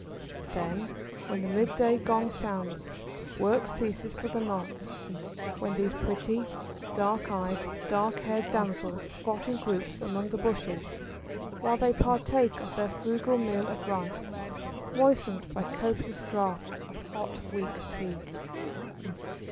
Then when the mid day gong sounds, work ceases for the nonce, when these pretty, black eyed, dark haired damsels squat in groups among the bushes, while they partake of their frugal meal of rice, moistened by copious draughts of hot weak Tea.